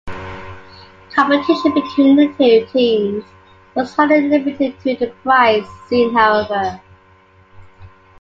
Competition between the two teams was hardly limited to the Pride scene however.